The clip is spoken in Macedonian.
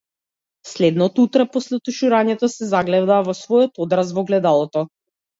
Следното утро, после туширањето, се загледа во својот одраз во огледалото.